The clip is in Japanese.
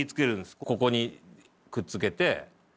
ここにくっつけて。